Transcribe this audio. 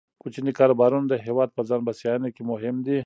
کوچني کاروبارونه د هیواد په ځان بسیاینه کې مهم دي.